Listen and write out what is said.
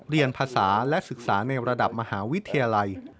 เรียนภาษาและศึกษาในระดับมหาวิทยาลัย